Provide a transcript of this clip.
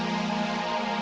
exillus zat datang